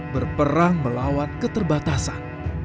berperang melawan keterbatasan